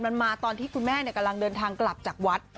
มันมาตอนที่คุณแม่กำลังเดินทางกลับจากวัด